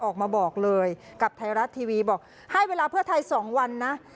ออกมาบอกเลยกับไทยรัฐทีวีบอกให้เวลาเพื่อไทย๒วันนะ